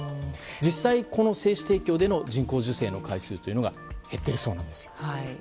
実際この精子提供での人工授精の回数というのは減っているそうなんですよ。